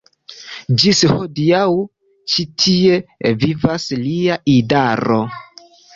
Ĝis hodiaŭ ĉi tie vivas lia idaro.